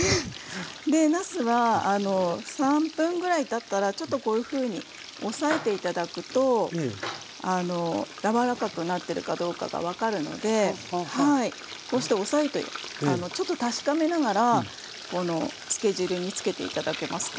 でなすは３分ぐらいたったらちょっとこういうふうに押さえて頂くとやわらかくなってるかどうかが分かるのでこうして押さえてちょっと確かめながらこのつけ汁につけて頂けますか？